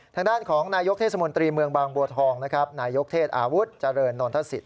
ทางด้านของนายกเทศมนตรีเมืองบางบัวทองนะครับนายกเทศอาวุธเจริญนนทศิษ